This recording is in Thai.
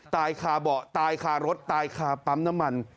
คาเบาะตายคารถตายคาปั๊มน้ำมัน